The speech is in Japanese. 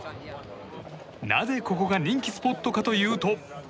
なぜ、ここが人気スポットかというと。